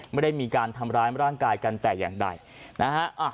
ไม่ได้มีการทำร้ายร่างกายกันแต่อย่างใดนะฮะ